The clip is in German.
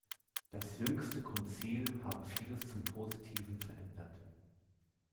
Das jüngste Konzil habe vieles zum Positiven verändert.